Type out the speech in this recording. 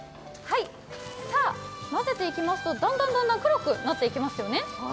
さぁ、混ぜていきますとだんだん黒くなっていきますよね。